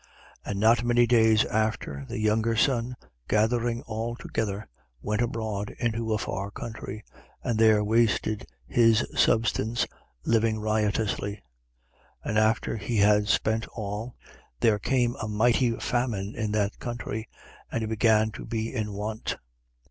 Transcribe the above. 15:13. And not many days after, the younger son, gathering all together, went abroad into a far country: and there wasted his substance, living riotously. 15:14. And after he had spent all, there came a mighty famine in that country: and he began to be in want.